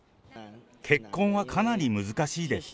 結婚はかなり難しいです。